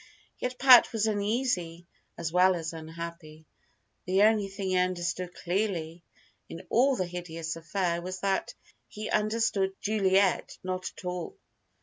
Yet Pat was uneasy as well as unhappy. The only thing he understood clearly in all the hideous affair was that he understood Juliet not at all.